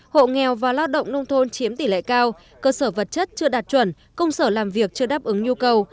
hộ nghèo và lao động nông thôn chiếm tỷ lệ cao cơ sở vật chất chưa đạt chuẩn công sở làm việc chưa đáp ứng nhu cầu